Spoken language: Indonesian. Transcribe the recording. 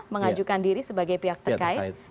mengajukan diri sebagai pihak terkait